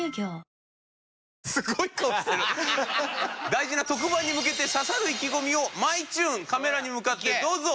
大事な特番に向けて刺さる意気込みをまいちゅんカメラに向かってどうぞ。